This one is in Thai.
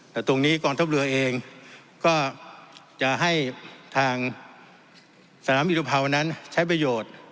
แต่ตรงนี้กองทัพเรือเองก็จะให้ทางสนามยุทธภาวนั้นใช้ประโยชน์